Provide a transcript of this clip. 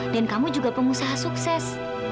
kamu juga pengusaha sukses